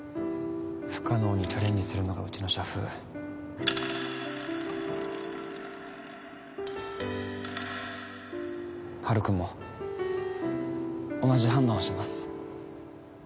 不可能にチャレンジするのがうちの社風ハルくんも同じ判断をします